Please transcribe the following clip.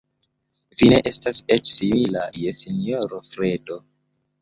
Vi ne estas eĉ simila je sinjoro Fredo.